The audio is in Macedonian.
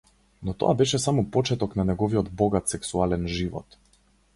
Но тоа беше само почеток на неговиот богат сексуален живот.